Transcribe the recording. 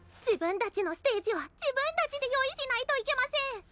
自分たちのステージは自分たちで用意しないといけません。